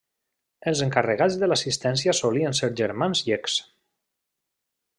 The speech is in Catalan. Els encarregats de l'assistència solien ser germans llecs.